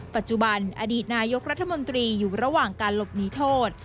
ปัจจุบันอดีตนายกรัฐมนตรีอยู่ระหว่างการหลบหนีโทษ